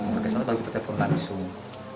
pertama waktu telpon langsung